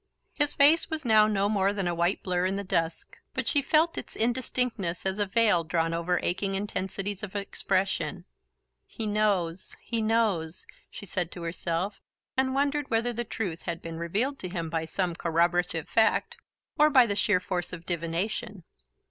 His face was now no more than a white blur in the dusk, but she felt its indistinctness as a veil drawn over aching intensities of expression. "He knows ... he knows..." she said to herself, and wondered whether the truth had been revealed to him by some corroborative fact or by the sheer force of divination.